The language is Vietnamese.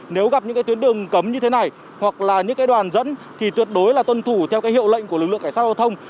nếu gặp những cái tuyến đường cấm như thế này hoặc là những cái đoàn dẫn thì tuyệt đối là tuân thủ theo cái hiệu lệnh của lực lượng cảnh sát giao thông